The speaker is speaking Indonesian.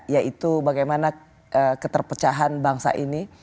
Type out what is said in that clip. yaitu bagaimana keterpecahan bangsa ini